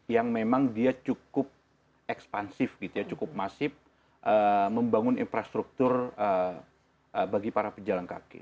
yang memang dia cukup ekspansif gitu ya cukup masif membangun infrastruktur bagi para pejalan kaki